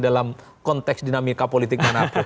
dalam konteks dinamika politik